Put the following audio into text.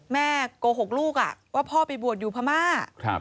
โกหกลูกว่าพ่อไปบวชอยู่พม่า